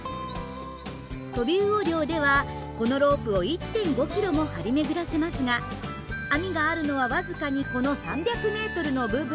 トビウオ漁ではこのロープを１．５ｋｍも張り巡らせますが網があるのは僅かにこの３００ｍの部分だけ。